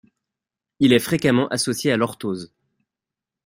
Il est fréquemment associé à l'orthose.